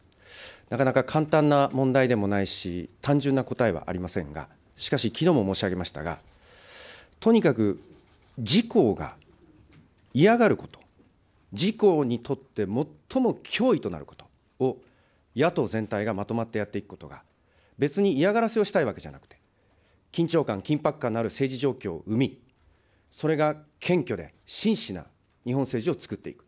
なかなか簡単な問題でもないし、単純な答えはありませんが、しかし、きのうも申し上げましたが、とにかく自公が嫌がること、自公にとって最も脅威となることを野党全体がまとまってやっていくことが、別に嫌がらせをしたいわけじゃなくて、緊張感、緊迫感のある政治状況を生み、それが謙虚で真摯な日本政治をつくっていく。